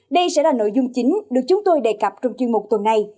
đây sẽ là nội dung chính được chúng tôi đề cập trong chuyên mục tuần này